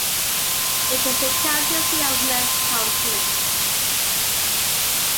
It is the county seat of Meigs County.